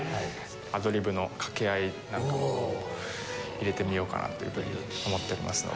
アドリブの掛け合いなんかも入れてみようかなというふうに思っておりますので。